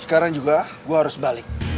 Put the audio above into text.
sekarang juga gue harus balik